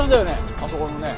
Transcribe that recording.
あそこのね。